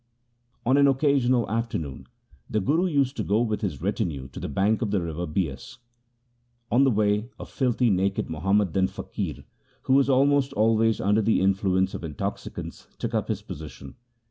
On an occasional afternoon the Guru used to go with his retinue to the bank of the river Bias. On the way a filthy naked Muhammadan faqir, who was almost always under the influence of intoxicants, took up his position.